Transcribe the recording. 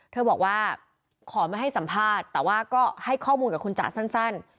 เธอบอกว่าขอไม่ให้สัมภาษณ์แต่ว่าก็ให้ข้อมูลกับคุณจ๋าสั้น